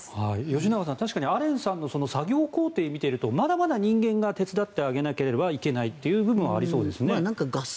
吉永さん、確かにアレンさんの作業工程を見ているとまだまだ人間が手伝ってあげなくてはいけないところがありそうですね。